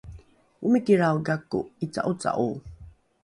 omikilrao gako ’ica’oca’o